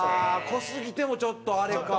濃すぎてもちょっとあれか。